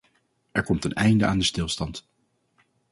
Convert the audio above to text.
Er komt een einde aan de stilstand.